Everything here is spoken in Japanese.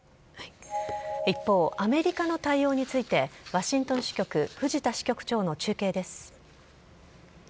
一方、アメリカの対応について、ワシントン支局、藤田支局長の中継です。